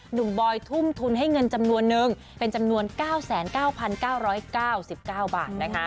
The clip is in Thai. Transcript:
บอยทุ่มทุนให้เงินจำนวนนึงเป็นจำนวน๙๙๙๙๙๙บาทนะคะ